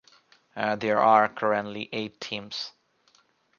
There are currently eight teams.